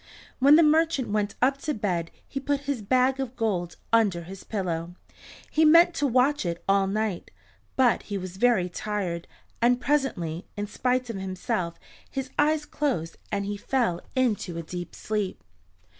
When the merchant went up to bed he put his bag of gold under his pillow. He meant to watch all night, but he was very tired, and presently, in spite of himself his eyes closed and he fell into a deep sleep.